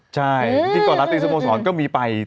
ใช่ที่ราตรีสโมสรก็มีไป